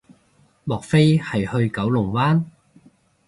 莫非係去九龍灣